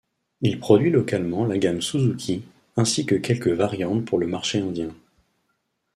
Il produit localement la gamme Suzuki, ainsi que quelques variantes pour le marché indien.